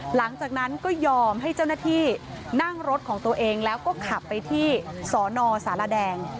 หลังจากนั้นก็ยอมให้เจ้าหน้าที่นั่งรถของตัวเองแล้วก็ขับไปที่สนสารแดง